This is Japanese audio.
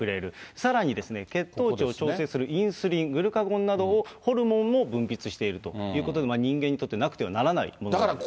さらに血糖値を調整するインスリン、グルカゴンなどをホルモンも分泌しているということで、人間にとってなくてはならないものなんですね。